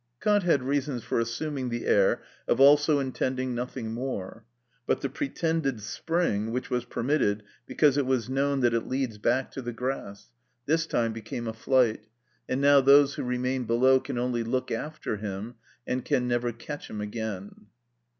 (2) Kant had reasons for assuming the air of also intending nothing more. But the pretended spring, which was permitted because it was known that it leads back to the grass, this time became a flight, and now those who remain below can only look after him, and can never catch him again.